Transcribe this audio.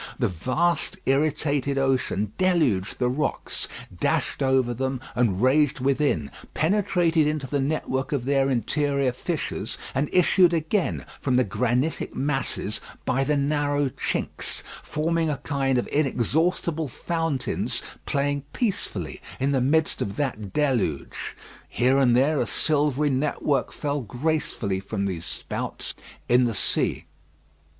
The vast irritated ocean deluged the rocks, dashed over them and raged within, penetrated into the network of their interior fissures, and issued again from the granitic masses by the narrow chinks, forming a kind of inexhaustible fountains playing peacefully in the midst of that deluge. Here and there a silvery network fell gracefully from these spouts in the sea.